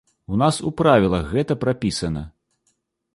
У нас у правілах гэта прапісана.